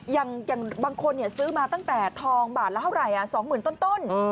อย่างบางคนซื้อมาตั้งแต่ทองบาทละเท่าไหร่๒๐๐๐ต้น